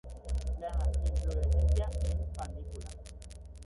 La inflorescencia en panícula.